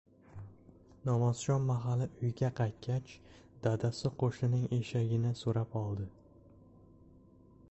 Nomozshom mahali uyga qaytgach, dadasi qo‘shnining eshagini so‘rab oldi.